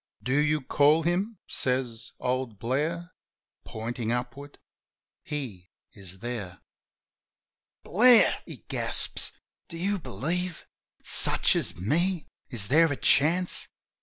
"Do you call Him?" says old Blair, Pointin' upward. "He is there." "Blair!" he gasps. "Do you believe? Such as me! Is there a chance?"